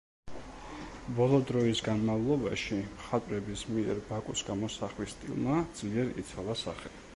ბოლო დროის განმავლობაში, მხატვრების მიერ, ბაკუს გამოსახვის სტილმა ძლიერ იცვალა სახე.